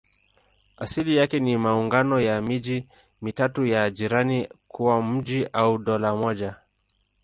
Asili yake ni maungano ya miji mitatu ya jirani kuwa mji au dola moja.